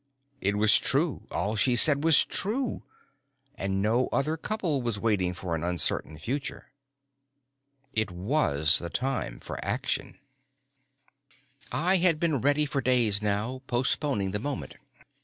It was true, all she said was true, and no other couple was waiting for an uncertain future. It was the time for action. I had been ready for days now, postponing the moment.